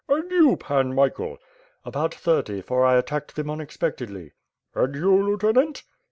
"And you. Pan Michael?" "About thirty, for I attacked them unexpectedly."* "And you, lieutenant?"